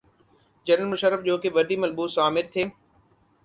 General Musharraf جوکہ وردی ملبوس آمر تھے۔